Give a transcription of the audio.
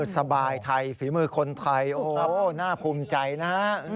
สบายไทยฝีมือคนไทยโอ้โหน่าภูมิใจนะฮะ